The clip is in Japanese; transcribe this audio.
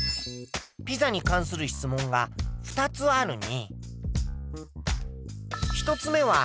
ピザに関する質問が２つあるね。